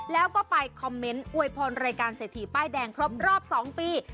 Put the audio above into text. แล้วก็ไปคอมเมนต์อวยพรรายการเศรษฐีป้ายแดงครบรอบ๒ปี